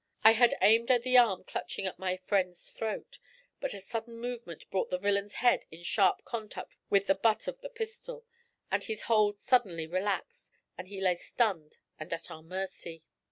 I had aimed at the arm clutching at my friend's throat, but a sudden movement brought the villain's head in sharp contact with the butt of the pistol, and his hold suddenly relaxed, and he lay stunned and at our mercy.